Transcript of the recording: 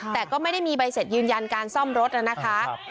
แต่ก็ไม่ได้มีใบเสร็จยืนยันการซ่อมรถนะคะ